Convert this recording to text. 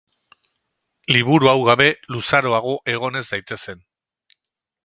Liburu hau gabe luzaroago egon ez daitezen.